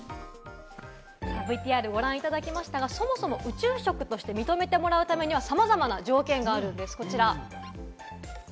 ＶＴＲご覧いただきましたが、そもそも宇宙食として認めてもらうためには、さまざまな条件があるんです。